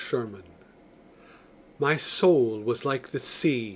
THE MOON My soul was like the sea.